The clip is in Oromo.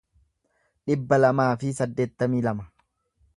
dhibba lamaa fi saddeettamii lama